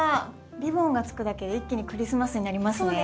リボンがつくだけで一気にクリスマスになりますね。